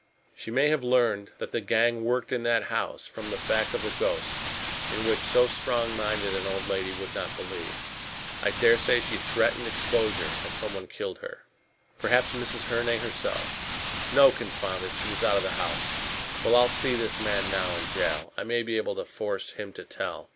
She may have learned that the gang worked in that house from the fact of the ghosts, in which so strongminded an old lady would not believe. I daresay she threatened exposure, and someone killed her. Perhaps Mrs. Herne herself. No, confound it, she was out of the house. Well, I'll see this man now in jail. I may be able to force him to tell.